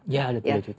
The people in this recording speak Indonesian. ya ada tiga juta